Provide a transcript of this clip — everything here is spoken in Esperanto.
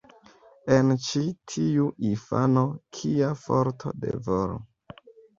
En ĉi tiu infano, kia forto de volo!